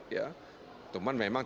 ya teman memang